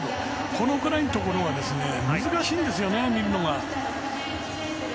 このくらいのところは難しいんですよね、見るのが。